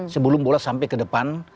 sebelum bola sampai ke depan